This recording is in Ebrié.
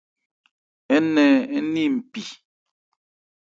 Ńnɛn ń ni npi.